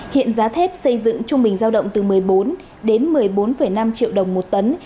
hiện giá thép xây dựng trung bình giao động từ một mươi bốn đến một mươi bốn năm triệu đồng một tấn